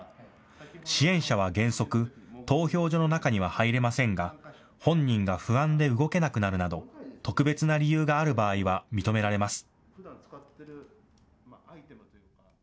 支援者は原則、投票所の中には入れませんが本人が不安で動けなくなるなど特別な理由がある場合は認められます。